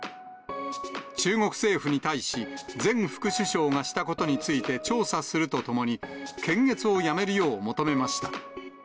中国政府に対し、前副首相がしたことについて調査するとともに、検閲をやめるよう求めました。